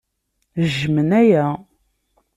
Jjmen aya.